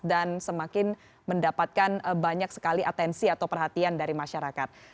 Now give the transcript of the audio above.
dan semakin mendapatkan banyak sekali atensi atau perhatian dari masyarakat